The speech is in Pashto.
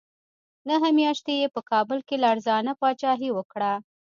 نهه میاشتې یې په کابل کې لړزانه پاچاهي وکړه.